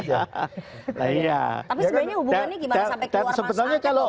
tapi sebenarnya hubungannya gimana sampai keluar masuk angket loh pak saud